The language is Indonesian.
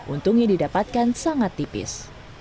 untungnya didapatkan sangat tipis